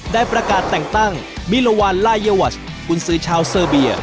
ได้ประกาศแต่งตั้งมิลวานลายวัชกุญสือชาวเซอร์เบีย